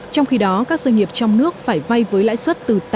trong khi đó các doanh nghiệp trong nước phải vay với lãi xuất từ tám một mươi